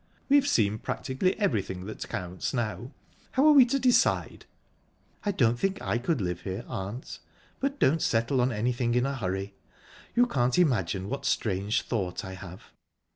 "We've seen practically everything that counts now. How are we to decide?" "I don't think I could live here, aunt, but don't settle anything in a hurry. You can't imagine what strange thought I have.